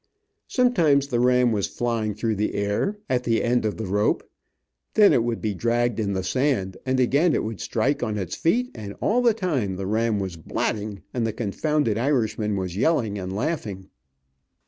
Sometimes the ram was flying through the air, at the end of the rope, then it would be dragged in the sand, and again it would strike on its feet, and all the time the ram was blatting, and the confounded Irishman was yelling and laughing.